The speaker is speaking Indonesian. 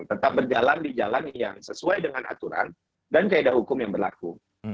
tetap berjalan di jalan yang sesuai dengan aturan dan kaedah hukum yang berlaku